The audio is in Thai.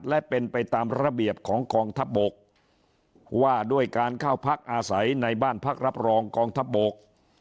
และเป็นไปตามระเบียบของกองทัพบกว่าด้วยการเข้าพักอาศัยในบ้านพักรับรองกองทัพบก